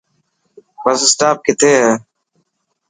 بس اسٽاپ ڪٿي هي.